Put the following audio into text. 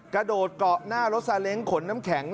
กระโดดเกาะหน้ารถซาเล้งขนน้ำแข็ง